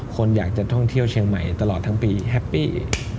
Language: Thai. คนอยากจะท่องเที่ยวเชียงใหม่ตลอดทั้งปีแฮปปี้